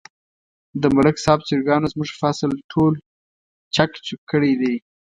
د ملک صاحب چرگانو زموږ فصل ټول چک چوک کړی دی.